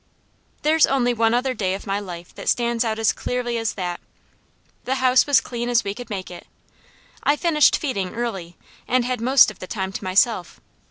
There's only one other day of my life that stands out as clearly as that. The house was clean as we could make it. I finished feeding early, and had most of the time to myself.